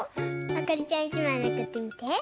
あかりちゃん１まいめくってみて。